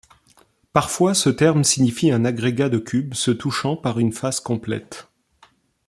Parfois, ce terme signifie un agrégat de cubes se touchant par une face complète.